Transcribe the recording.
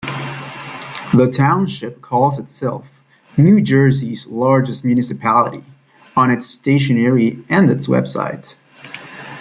The township calls itself "New Jersey's Largest Municipality" on its stationery and its website.